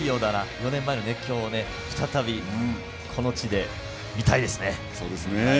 ４年前の熱狂を再び、この地で見たいですね。